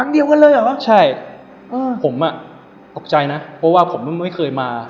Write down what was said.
เดียวกันเลยเหรอวะใช่ผมอ่ะตกใจนะเพราะว่าผมไม่เคยมา